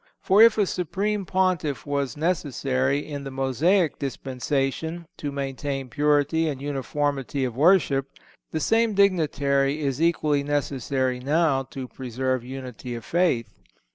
For if a supreme Pontiff was necessary, in the Mosaic dispensation, to maintain purity and uniformity of worship, the same dignitary is equally necessary now to preserve unity of faith.